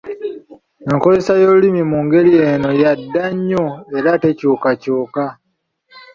Enkozesa y'olulimi mu ngeri eno yadda nnyo era tekyukakyuka.